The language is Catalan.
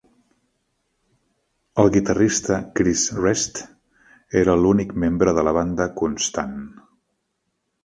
El guitarrista Chris Rest era l'únic membre de la banda constant.